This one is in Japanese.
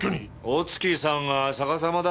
お月さんが逆さまだ。